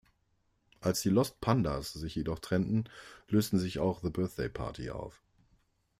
Als die Lost Pandas sich jedoch trennten, lösten sich auch The Birthday Party auf.